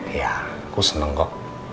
iya aku seneng kok